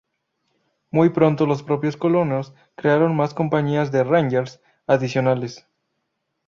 Muy pronto los propios colonos crearon más compañías de rangers adicionales.